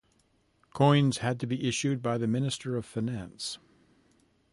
Coins had to be issued by the Minister of Finance.